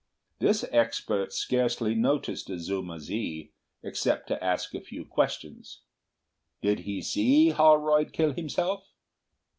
This expert scarcely noticed Azuma zi, except to ask a few questions. Did he see Holroyd kill himself?